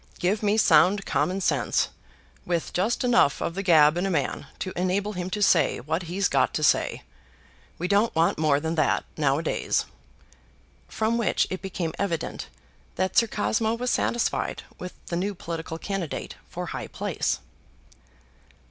Give me sound common sense, with just enough of the gab in a man to enable him to say what he's got to say! We don't want more than that nowadays." From which it became evident that Sir Cosmo was satisfied with the new political candidate for high place.